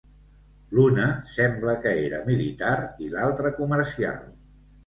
L'una sembla que era militar i l'altra comercial.